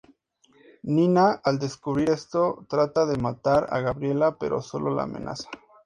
Nina al descubrir esto trata de matar a Gabriela, pero solo la amenaza.